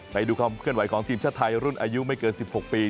ไปดูความเคลื่อนไหวของทีมชาติไทยรุ่นอายุไม่เกิน๑๖ปี